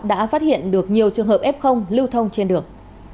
đã phát hiện được nhiều trường hợp f lưu thông trên đường